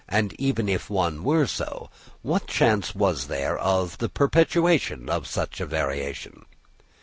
And even if one was so, what chance was there of the perpetuation of such a variation?"